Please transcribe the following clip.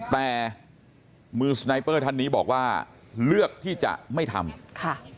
แต่มือสไนเปอร์ท่านนี้บอกว่าเลือกที่จะไม่ทำค่ะ